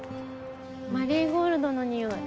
マリーゴールドの匂い。